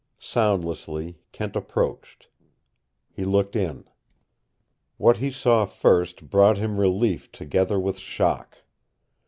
Soundlessly Kent approached. He looked in. What he saw first brought him relief together with shock.